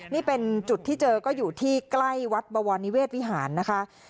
นี่เป็นจุดที่เจอก็อยู่ที่ใกล้วัดบวรนิเวศวิหารนะคะ